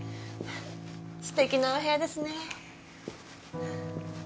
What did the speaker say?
すてきなお部屋ですね。